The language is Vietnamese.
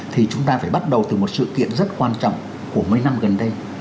thì chúng ta phải bắt đầu từ một sự kiện rất quan trọng của mấy năm gần đây